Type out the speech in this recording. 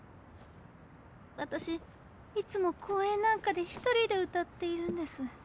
わたしいつも公園なんかで一人で歌っているんです。